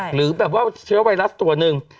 หรือแบบว่าเชื้อไวรัสตัวหนึ่ง